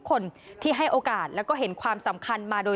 ทีนี้จากรายทื่อของคณะรัฐมนตรี